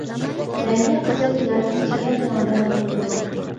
رەڭگى قىزىل ياكى جىگەر رەڭدە بولىدۇ.